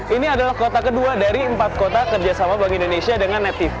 ini adalah kota kedua dari empat kota kerjasama bank indonesia dengan netive